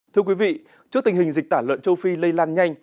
thưa quý vị trước tình hình dịch tả lợn châu phi lây lan nhanh